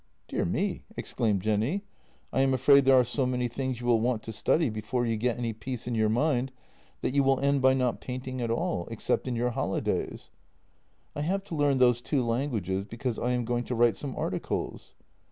"Dear me!" exclaimed Jenny. "I am afraid there are so many things you will want to study before you get any peace in your mind that you will end by not painting at all — except in your holidays." " I have to learn those two languages because I am going to w'rite some articles."